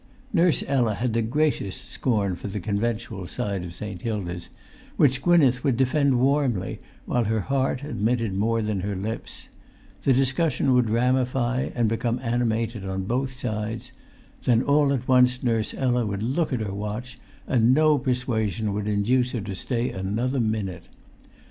Nurse Ella had the greatest scorn for the conventual side of St. Hilda's, which Gwynneth would defend warmly, while her heart admitted more than her lips; the discussion would ramify, and become animated on both sides; then all at once Nurse Ella would look at her watch, and no persuasion would induce her to stay another minute.